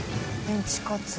メンチカツ？